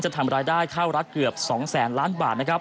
จะทำรายได้เข้ารักเกือบ๒๐๐๐๐๐บาท